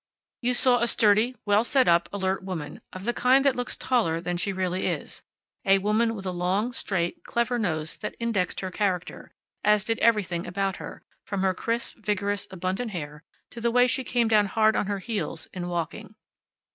You saw a sturdy, well set up, alert woman, of the kind that looks taller than she really is; a woman with a long, straight, clever nose that indexed her character, as did everything about her, from her crisp, vigorous, abundant hair to the way she came down hard on her heels in walking.